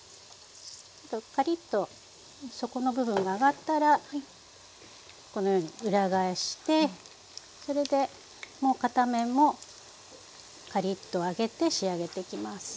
カリッと底の部分が揚がったらこのように裏返してそれでもう片面もカリッと揚げて仕上げていきます。